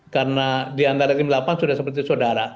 karena diantara tim delapan sudah seperti saudara